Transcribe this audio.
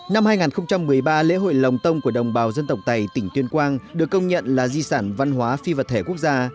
năm hai nghìn một mươi ba lễ hội lồng tông của đồng bào dân tộc tày tỉnh tuyên quang được công nhận là di sản văn hóa phi vật thể quốc gia